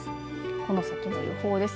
この先の予報です。